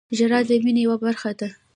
• ژړا د مینې یوه برخه ده.